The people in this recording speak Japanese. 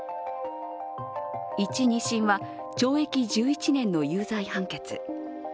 １・２審は懲役１１年の有罪判決。